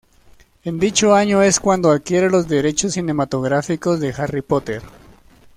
En dicho año es cuando adquiere los derechos cinematográficos de "Harry Potter".